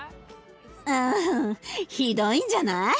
うんひどいんじゃない？